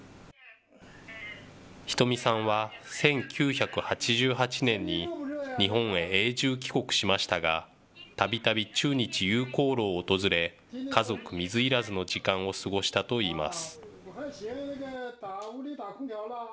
瞳さんは１９８８年に日本へ永住帰国しましたが、たびたび中日友好楼を訪れ、家族水入らずの時間を過ごしたといいます。